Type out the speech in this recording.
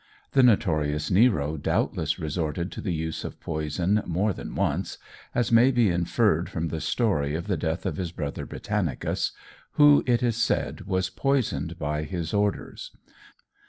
The notorious Nero doubtless resorted to the use of poison more than once, as may be inferred from the story of the death of his brother Britannicus, who, it is said, was poisoned by his orders.